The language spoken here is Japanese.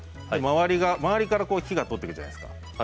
周りから火が通っていくじゃないですか。